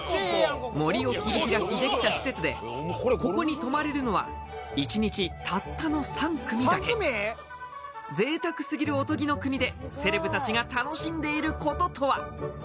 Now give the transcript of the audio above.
森を切り開きできた施設でここに泊まれるのは一日たったの３組だけ贅沢すぎるおとぎの国でセレブたちが楽しんでいることとは？